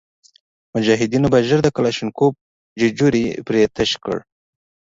مجاهدینو به ژر د کلشینکوف ججوري پرې تش کړ.